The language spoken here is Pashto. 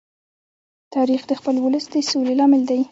تاریخ د خپل ولس د سولې لامل دی.